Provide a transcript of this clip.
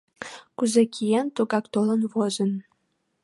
— Кузе киен — тугак толын возын.